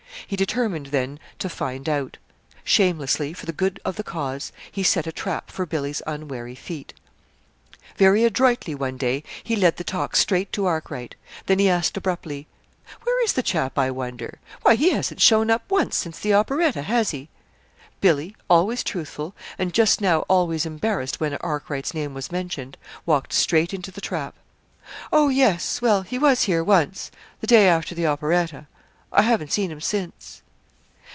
He determined then to find out. Shamelessly for the good of the cause he set a trap for Billy's unwary feet. Very adroitly one day he led the talk straight to Arkwright; then he asked abruptly: "Where is the chap, I wonder! Why, he hasn't shown up once since the operetta, has he?" Billy, always truthful, and just now always embarrassed when Arkwright's name was mentioned, walked straight into the trap. "Oh, yes; well, he was here once the day after the operetta. I haven't seen him since."